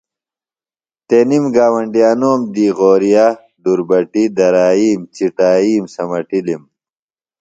تنِم گاونڈیانوم دی غورِیہ، دُربٹیۡ درائِیم، چٹائِیم سمٹِلم۔